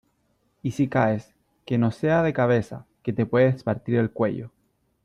y si caes , que no sea de cabeza , que te puedes partir el cuello .